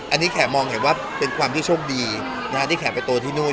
อันนี้แขกมองเห็นว่าเป็นความที่โชคดีที่แขกไปโตที่นู่น